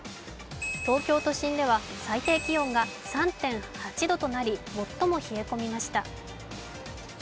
東京都心では、最低気温が３．８度となり最も冷え込みました。